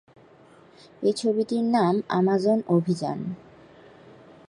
এই ছবিটির নাম আমাজন অভিযান।